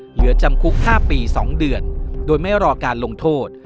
เหลือจำคุก๕ปี๒เดือนโดยไม่รอการลงโทษ